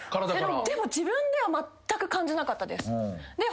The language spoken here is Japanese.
でも自分ではまったく感じなかったです。